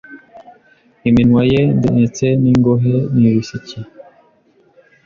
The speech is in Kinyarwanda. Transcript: Iminwa ye ndetse n’ingohe n’ibitsike